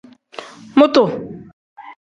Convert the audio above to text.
Mutu.